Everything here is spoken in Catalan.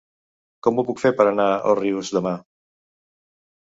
Com ho puc fer per anar a Òrrius demà?